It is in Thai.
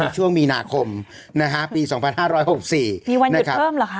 ช่วงมีนาคมนะครับปีสองพันห้าร้อยหกสี่มีวันหยุดเพิ่มหรอครับ